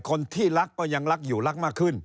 คนที่รักก็ยังรักอยู่รักมากขึ้น